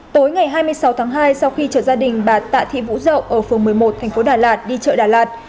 tối ngày hai mươi sáu tháng hai sau khi trợ gia đình bà tạ thị vũ dậu ở phường một mươi một tp đà lạt đi trợ đà lạt